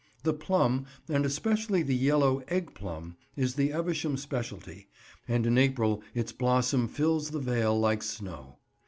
The plum—and especially the yellow "egg plum"—is the Evesham speciality, and in April its blossom fills the Vale like snow.